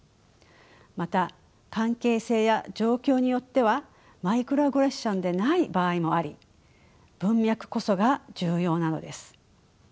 また関係性や状況によってはマイクロアグレッションでない場合もあり文脈こそが重要なのです。